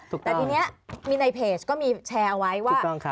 แต่ทีนี้มีในเพจก็มีแชร์เอาไว้ว่า